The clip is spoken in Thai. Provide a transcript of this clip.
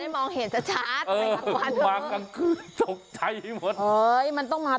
ไม่ไปกลางวัน